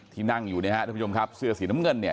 นั่งอยู่เนี่ยฮะท่านผู้ชมครับเสื้อสีน้ำเงินเนี่ย